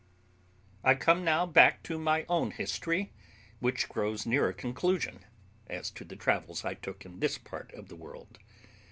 I come now back to my own history, which grows near a conclusion, as to the travels I took in this part of the world.